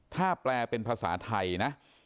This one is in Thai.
ถ้าแปลเป็นภาษาไทยนะ